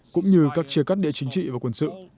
cũng như các chia cắt địa chính trị và quân sự